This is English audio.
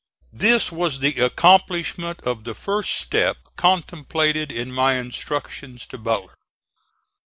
This was the accomplishment of the first step contemplated in my instructions to Butler.